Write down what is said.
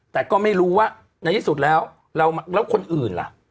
แต่ก็ไม่รู้ว่าในที่สุดแล้วแล้วคนอื่นล่ะ